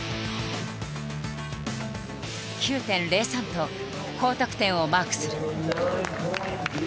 ９．０３と高得点をマークする。